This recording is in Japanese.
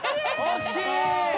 惜しい！